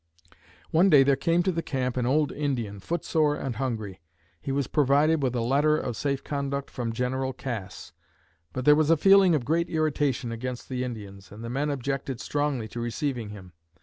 One day there came to the camp an old Indian, footsore and hungry. He was provided with a letter of safe conduct from General Cass; but there was a feeling of great irritation against the Indians, and the men objected strongly to receiving him.